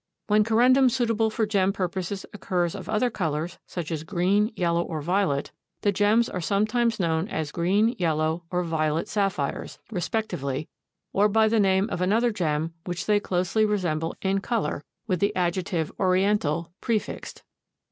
When Corundum suitable for gem purposes occurs of other colors, such as green, yellow or violet, the gems are sometimes known as green, yellow or violet sapphires, respectively, or by the name of another gem which they closely resemble in color, with the adjective Oriental prefixed.